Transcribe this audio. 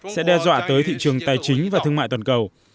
sẽ đe dọa tới thị trường tài chính và thương mại toàn cầu